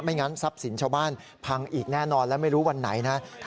งั้นทรัพย์สินชาวบ้านพังอีกแน่นอนและไม่รู้วันไหนนะ